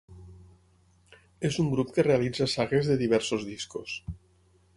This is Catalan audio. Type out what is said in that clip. És un grup que realitza sagues de diversos discos.